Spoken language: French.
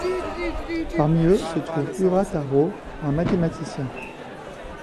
Parmi eux se trouve Ura Taro, un mathématicien.